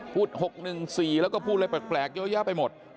๖๑๔แล้วก็พูดอะไรแปลกเยอะแยะไปหมด